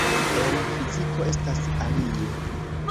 En fiziko estas alie.